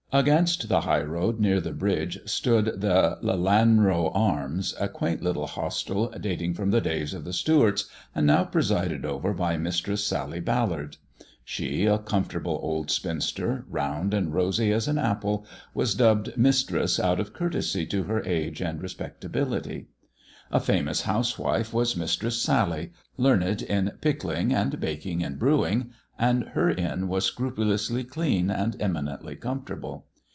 Against the high road near the bridge stood the " Lelanro Arms/' a quaint little hostel dating from the days of the Stewarts, and now presided over by Mistress Sally Ballard. She, a comfortable old spinster, round and rosy as an apple, was dubbed Mistress out of courtesy to her age and respect ability. A famous housewife was Mistress Sally, learned in pickling, and baking, and brewing ; and her inn was scrupulously clean and eminently comfortable.